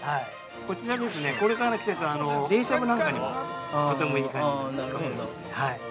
◆こちらですね、これからの季節、冷しゃぶなんかにも、とてもいい感じに使っていますね。